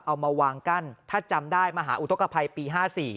เอามาวางกั้นถ้าจำได้มหาอุทธกภัยปี๕๔